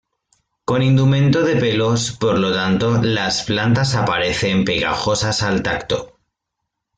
Con indumento de pelos, por lo tanto las plantas aparecen pegajosas al tacto.